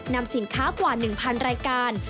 นำสินค้ากว่า๑๐๐รายการ